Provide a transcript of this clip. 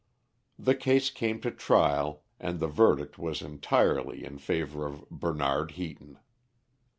The case came to trial, and the verdict was entirely in favour of Bernard Heaton.